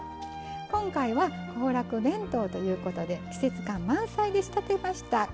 今回は行楽弁当ということで季節感満載で仕立てました。